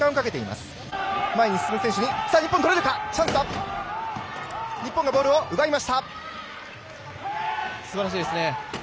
すばらしいですね。